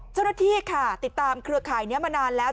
เจ้าหน้าที่ค่ะติดตามเครือข่ายนี้มานานแล้ว